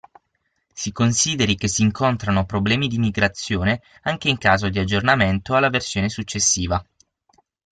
Si consideri che si incontrano problemi di migrazione anche in caso di aggiornamento alla versione successiva.